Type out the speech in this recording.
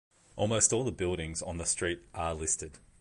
Almost all the buildings on the street are listed.